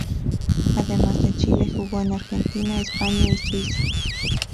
Además de Chile, jugó en Argentina, España y Suiza.